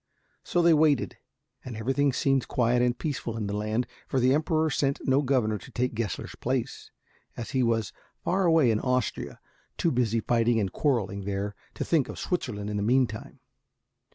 So they waited, and everything seemed quiet and peaceful in the land, for the Emperor sent no governor to take Gessler's place, as he was far away in Austria, too busy fighting and quarreling there to think of Switzerland in the meantime.